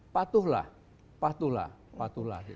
patuhlah patuhlah patuhlah